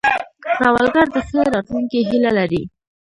سوالګر د ښې راتلونکې هیله لري